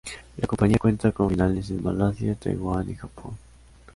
La compañía cuenta con filiales en Malasia, Taiwán y Japón.